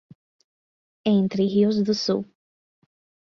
Entre Rios do Sul